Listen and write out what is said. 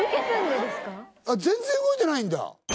全然動いてないんだ。